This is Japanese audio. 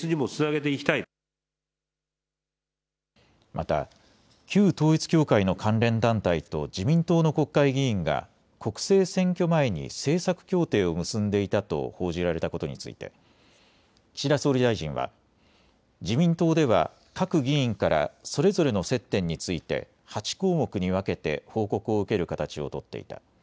また旧統一教会の関連団体と自民党の国会議員が国政選挙前に政策協定を結んでいたと報じられたことについて岸田総理大臣は自民党では各議員からそれぞれの接点について８項目に分けて報告を受ける形を取っていた。